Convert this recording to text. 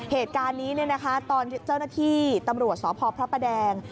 เหตุการณ์นี้ตอนเจ้าหน้าที่ตำรวจสพพระประแดง